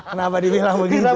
kenapa dibilang begitu